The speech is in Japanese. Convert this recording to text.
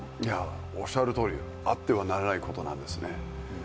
おっしゃるとおり、あってはならないことなんですね。